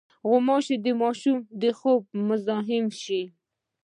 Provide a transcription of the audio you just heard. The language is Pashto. غوماشې د ماشوم د خوب مزاحمې شي.